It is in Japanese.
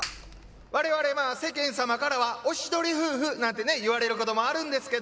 我々まぁ世間様からは「おしどり夫婦」なんてね言われることもあるんですけど。